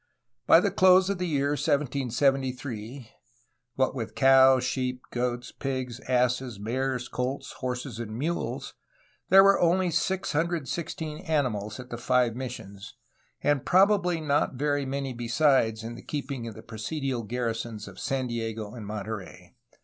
By the close of the year 1773 (what with cows, sheep, goats, pigs, asses, mares, colts, horses, and mules) there were only 616 animals at the five missions, and probably not very many besides in the keeping of the presidial garrisons of San Diego and Monterey.